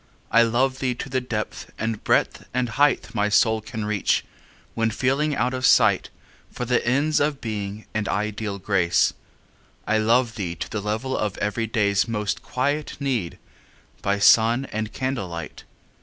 I love thee to the depth and breadth and height My soul can reach, when feeling out of sight For the ends of Being and ideal Grace. I love thee to the level of everyday's Most quiet need, by sun and candlelight.